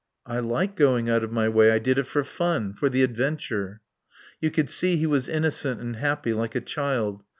"I like going out of my way. I did it for fun. For the adventure." You could see he was innocent and happy, like a child.